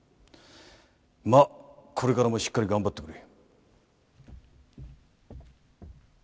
まっこれからもしっかり頑張ってくれ。